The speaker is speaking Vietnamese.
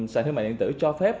sàn thương mại điện tử cho phép